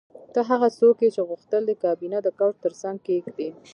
ته هغه څوک یې چې غوښتل دې کابینه د کوچ ترڅنګ کیږدې